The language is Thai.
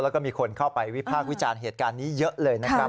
แล้วก็มีคนเข้าไปวิพากษ์วิจารณ์เหตุการณ์นี้เยอะเลยนะครับ